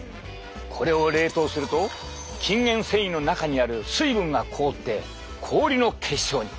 これを冷凍すると筋原線維の中にある水分が凍って氷の結晶に。